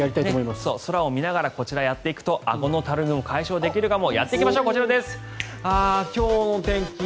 空を見ながらこちらをやっていくとあごのたるみも解消できるかも。